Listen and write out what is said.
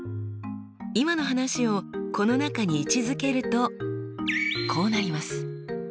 今の話をこの中に位置づけるとこうなります。